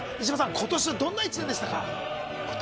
今年はどんな１年でしたか。